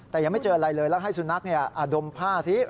แต่ยังไม่เจออะไรเลยแล้วให้สุนัขดมผ้าสิ